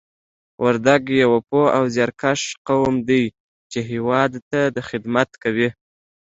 وردګ یو پوه او زیارکښ قوم دی چې هېواد ته خدمت کوي